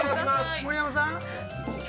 盛山さん。